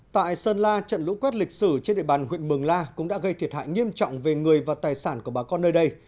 tại sơn la trận lũ quét lịch sử trên địa bàn huyện mường la cũng đã gây thiệt hại nghiêm trọng về người và tài sản của bà con nơi đây